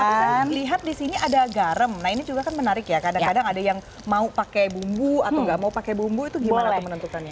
lihat di sini ada garam nah ini juga kan menarik ya kadang kadang ada yang mau pakai bumbu atau nggak mau pakai bumbu itu gimana tuh menentukannya